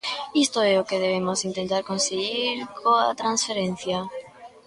Isto é o que debemos intentar conseguir coa transferencia.